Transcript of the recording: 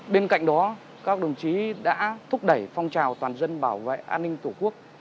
bên cạnh đó các đồng chí đã thúc đẩy phong trào toàn dân bảo vệ an ninh tổ quốc